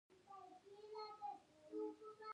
یوه لار دا وه چې غلامانو به کورنۍ جوړولې.